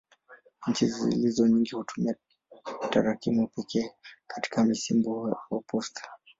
Nchi zilizo nyingi hutumia tarakimu pekee katika msimbo wa posta.